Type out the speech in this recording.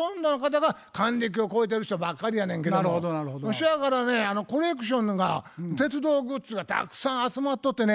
そやからねコレクションが鉄道グッズがたくさん集まっとってね。